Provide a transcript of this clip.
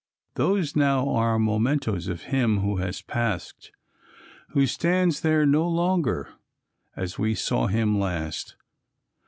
These now are mementoes of him who has passed, Who stands there no longer, as we saw him last.